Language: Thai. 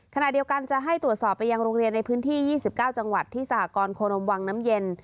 ขณะเดียวกันจะให้ตรวจสอบไปยังโรงเรียนในพื้นที่๒๙จังหวัดที่สหกรโคนมวังน้ำเย็น